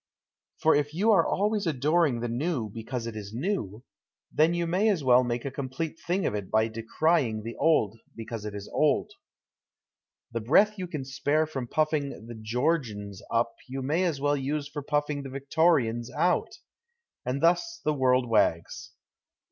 Vox if you are always adoring the new because it is new, then you may as 84 COTERIE CRITICISM well make a complete thing of it by decrying the old because it is old. The breath you can spare from puffing the " Georgians *' up you may as well use for puffing the '" Victorians '" out. And thus the world wags.